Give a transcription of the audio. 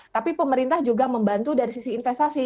tapi pemerintah juga membantu dari sisi investasi